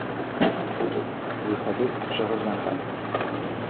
Vous savez, je reviendrai.